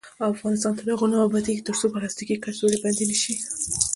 افغانستان تر هغو نه ابادیږي، ترڅو پلاستیکي کڅوړې بندې نشي.